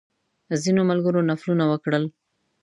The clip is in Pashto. ځینو ملګرو نفلونه وکړل.